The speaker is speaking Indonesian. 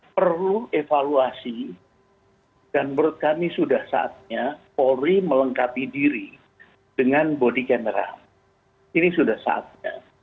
perlu evaluasi dan menurut kami sudah saatnya polri melengkapi diri dengan body general ini sudah saatnya